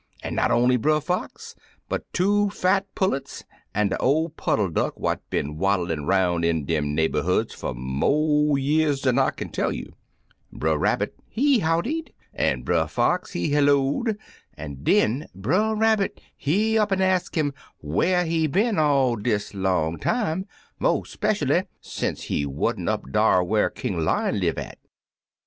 An' not only Brer Fox, but two fat pullets, an' de ol' puddle duck what been waddlin' 'roun' in dem neighborhoods fer mo' years dan I kin tell you. Brer Rabbit, he howdied, an' Brer Fox, he hcUo'd, an' den Brer Rabbit he up an' ax him whar he been all dis long 88 Two Fat Pullets time, mo* speshually scnce he waVt up dar whar King Lion live at.